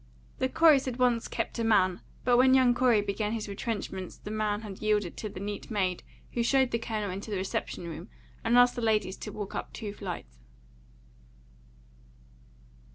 The Coreys had once kept a man, but when young Corey began his retrenchments the man had yielded to the neat maid who showed the Colonel into the reception room and asked the ladies to walk up two flights.